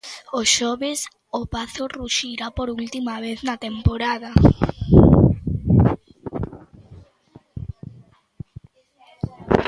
O xoves o Pazo ruxirá por última vez na temporada.